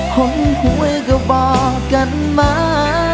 ห่มห่วยก็บอกกันมา